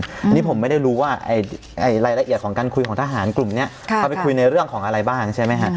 อันนี้ผมไม่ได้รู้ว่ารายละเอียดของการคุยของทหารกลุ่มนี้เขาไปคุยในเรื่องของอะไรบ้างใช่ไหมฮะ